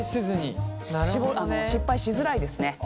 失敗しづらいですね。